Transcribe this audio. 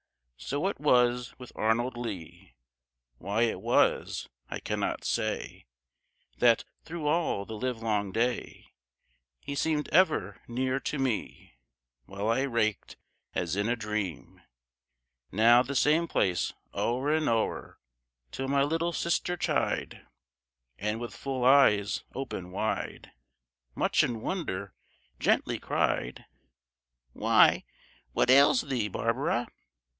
So it was with Arnold Lee. Why it was I cannot say That, through all the livelong day He seemed ever near to me. While I raked, as in a dream, Now the same place o'er and o'er, Till my little sister chid, And with full eyes opened wide, Much in wonder, gently cried, "Why, what ails thee, Barbara?"